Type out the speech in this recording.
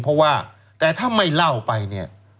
เพราะว่าแต่ถ้าไม่เล่าไปเนี่ย